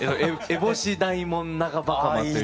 烏帽子大紋長袴という。